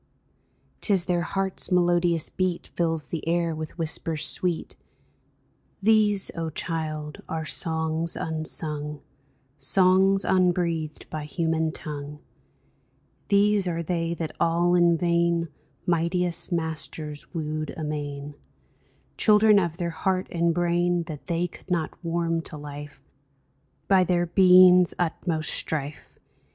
'Tis their heart's melodious beat Fills the air with whispers sweet ! These, O child, are songs unsung — Songs unbreathed by human tongue ; These are they that all in vain Mightiest masters wooed amain — Children of their heart and brain That they could not warm to life By their being's utmost strife.